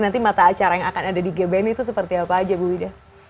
nanti mata acara yang akan ada di gbn itu seperti apa aja bu wida